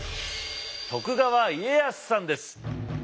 徳川家康さんです。